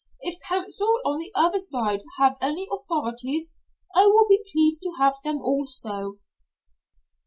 If counsel on the other side have any authorities, I will be pleased to have them also."